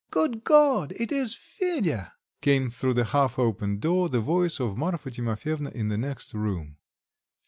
"Good God, it is Fedya!" came through the half opened door the voice of Marfa Timofyevna in the next room.